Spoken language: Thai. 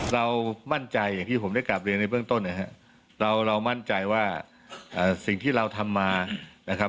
เรามั่นใจที่ผมได้กลับเรียนในเบื้องต้นเรามั่นใจว่าสิ่งที่เราทำมา